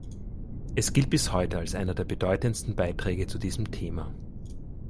Es gilt bis heute als einer der bedeutenden Beiträge zu diesem Thema.